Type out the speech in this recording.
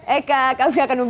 eka kamu akan nunggu